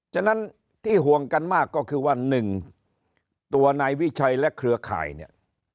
ฉะนั้นที่ห่วงกันมากก็คือว่า๑ตัวนายวิชัยและเครือข่ายเนี่ย